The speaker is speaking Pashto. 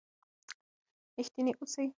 رښتیني اوسئ.